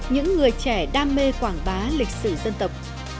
những người trẻ đam mê quảng bá lịch sử dân tộc